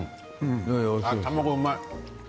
卵うまい。